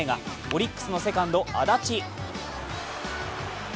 オリックスのセカンド・安達。